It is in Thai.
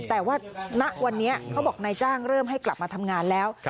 แต่ว่าณวันนี้เขาบอกนายจ้างเริ่มให้กลับมาทำงานแล้ว